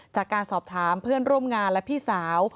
จากการสอบถามเพื่อนร่วมงานและพี่สาว